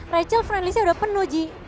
rachel friendlinessnya udah penuh ji